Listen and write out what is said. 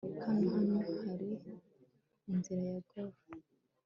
hano hano hari inzira ya golf